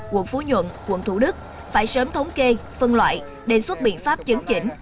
quận phú nhuận quận thủ đức phải sớm thống kê phân loại đề xuất biện pháp chấn chỉnh